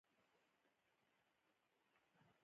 وزې د کور شاته استوګنه خوښوي